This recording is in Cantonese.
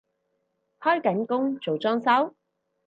開緊工做裝修？